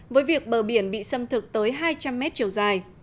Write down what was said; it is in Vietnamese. với việc bờ biển bị xâm thực tới hai trăm linh mét chiều dài